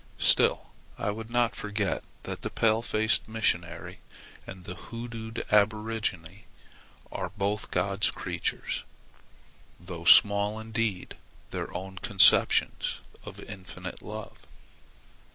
Still I would not forget that the pale faced missionary and the hoodooed aborigine are both God's creatures, though small indeed their own conceptions of Infinite Love.